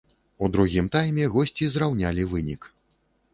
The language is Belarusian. У другім тайме госці зраўнялі вынік.